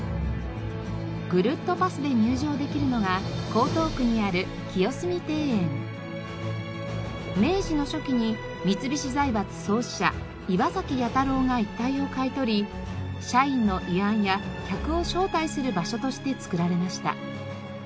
ぐるっとパスで入場できるのが江東区にある明治の初期に三菱財閥創始者岩崎彌太郎が一帯を買い取り社員の慰安や客を招待する場所として造られました。